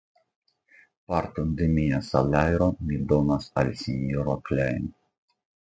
Parton de mia salajro mi donas al sinjoro Klajn.